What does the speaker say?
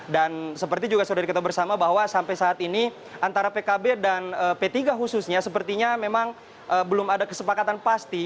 dan seperti juga sudah kita bersama bahwa sampai saat ini antara pkb dan p tiga khususnya sepertinya memang belum ada kesepakatan pasti